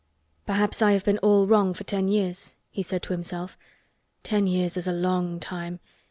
"Perhaps I have been all wrong for ten years," he said to himself. "Ten years is a long time.